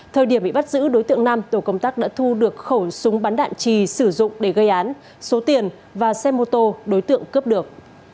thời điểm bị bắt giữ đối tượng nam tổ công tác đã thu được khẩu súng bắn đạn trì sử dụng để gây án số tiền và xe mô tô đối tượng cướp được